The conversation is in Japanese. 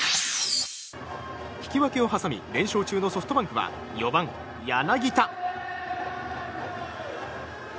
引き分けを挟み連勝中のソフトバンクは４番、柳田。